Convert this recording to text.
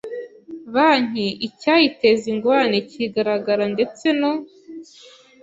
banki icyayiteza ingorane kigaragara ndetse no